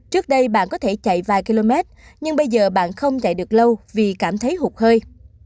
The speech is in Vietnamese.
trước đây bạn có thể chạy vài km nhưng bây giờ bạn không chạy được lâu vì cảm thấy hụt hơi